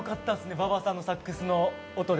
馬場さんのサックスの音で。